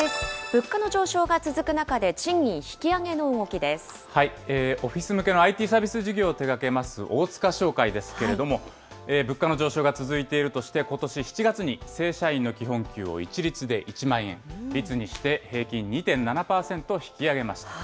物価の上昇が続く中で、賃金引きオフィス向けのＩＴサービス事業を手がけます大塚商会ですけれども、物価の上昇が続いているとして、ことし７月に正社員の基本給を一律で１万円、率にして平均２．７％引き上げました。